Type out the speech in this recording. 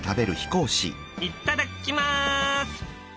いただきます！